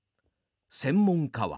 専門家は。